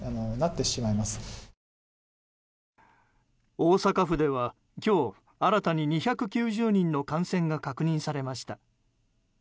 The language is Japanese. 大阪府では今日新たに２９０人の感染が確認されました。